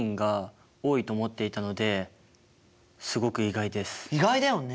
僕は意外だよね。